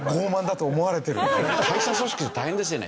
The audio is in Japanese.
会社組織だと大変ですよね。